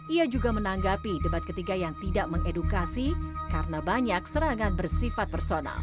ia juga menanggapi debat ketiga yang tidak mengedukasi karena banyak serangan bersifat personal